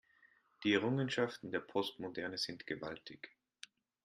Die Errungenschaften der Postmoderne sind gewaltig.